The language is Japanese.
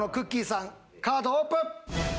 さんカードオープン！